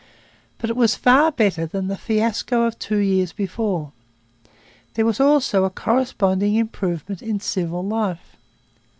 But it was far better than the fiasco of two years before. There was also a corresponding improvement in civil life.